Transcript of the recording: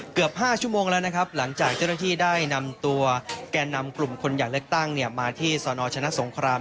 เกือบ๕ชั่วโมงแล้วหลังจากเจ้าหน้าที่นำกลุ่มมาที่สชสก